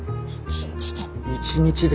１日で？